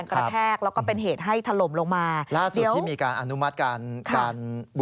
แล้วก็เดี๋ยววันนี้นะครับ